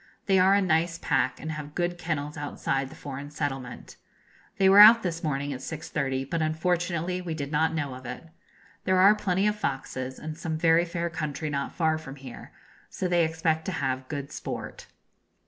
They are a nice pack, and have good kennels outside the foreign settlement. They were out this morning at 6.30, but unfortunately we did not know of it. There are plenty of foxes, and some very fair country not far from here; so they expect to have good sport.